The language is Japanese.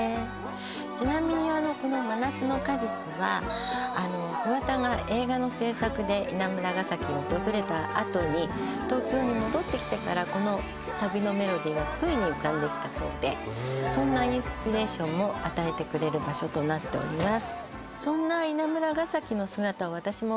ちなみにこの「真夏の果実」はあの桑田が映画の制作で稲村ヶ崎を訪れたあとに東京に戻ってきてからこのサビのメロディーがふいに浮かんできたそうでへえそんなインスピレーションも与えてくれる場所となっております